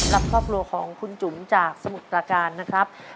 และครอบครัวของคุณจุ๋มจากสมุทรประการนะครับ